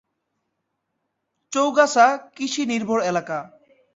চৌগাছা কৃষি নির্ভর এলাকা।